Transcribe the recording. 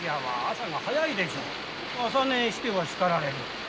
朝寝しては叱られる。